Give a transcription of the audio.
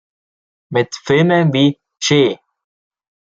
Mit Filmen wie "Che!